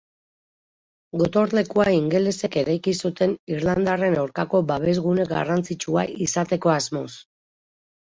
Gotorlekua ingelesek eraiki zuten irlandarren aurkako babesgune garrantzitsua izateko asmoz.